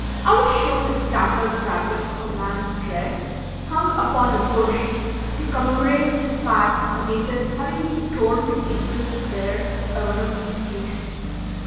I was shown the tattered fragment of a man's dress, hung upon a bush, to commemorate the fact of a native having been torn to pieces there by one of these beasts.